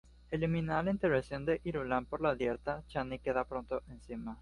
Eliminada la intervención de Irulan por la dieta, Chani queda pronto encinta.